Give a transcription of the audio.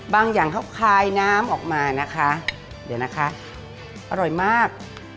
บางอย่างเขาคายน้ำออกมานะคะเดี๋ยวนะคะอร่อยมาก